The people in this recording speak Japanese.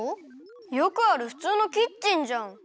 よくあるふつうのキッチンじゃん。